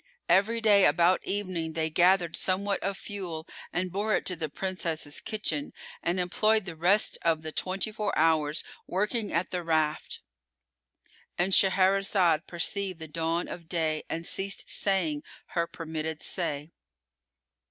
Every day about evening they gathered somewhat of fuel and bore it to the Princess's kitchen, and employed the rest of the twenty four hours working at the raft.——And Shahrazad perceived the dawn of day and ceased saying her permitted say.